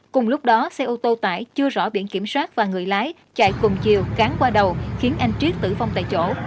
cùng lúc đó xe ô tô tải chưa rõ biển kiểm soát và người lái chạy cùng chiều cán qua đầu khiến anh triết tử vong tại chỗ